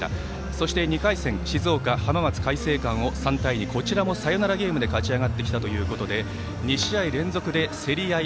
そして２回戦静岡、浜松開誠館を３対２こちらもサヨナラゲームで勝ち上がってきたということで２試合連続で競り合い。